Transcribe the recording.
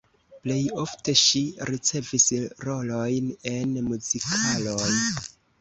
Plej ofte ŝi ricevis rolojn en muzikaloj.